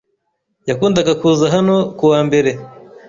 Yakundaga kuza hano ku wa mbere.